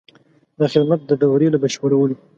د خدمت د دورې له بشپړولو.